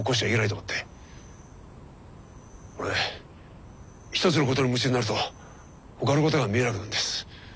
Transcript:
俺一つのことに夢中になるとほかのことが見えなくなるんです。